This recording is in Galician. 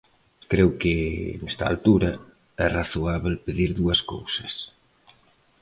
Creo que, nesta altura, é razoábel pedir dúas cousas.